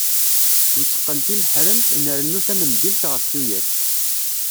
Nteqqen timeḥremt, nrennu tamendilt ɣef tuyat.